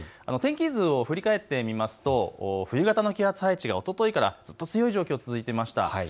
天気図を振り返ってみますと冬型の気圧配置、おとといからずっと強い状況が続いていました。